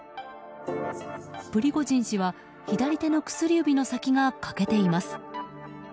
プリゴジン氏は左手の薬指の先が欠けています。